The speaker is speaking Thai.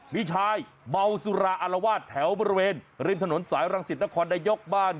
มีชายเมาสุราอารวาสแถวบริเวณริมถนนสายรังสิตนครนายกบ้าน